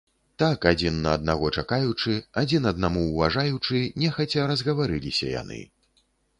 Так адзін на аднаго чакаючы, адзін аднаму ўважаючы, нехаця разгаварыліся яны.